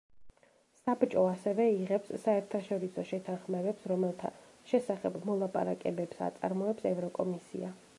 საბჭო ასევე იღებს საერთაშორისო შეთანხმებებს, რომელთა შესახებ მოლაპარაკებებს აწარმოებს ევროკომისია.